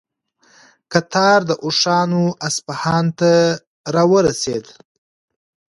کتار د اوښانو اصفهان ته راورسېد.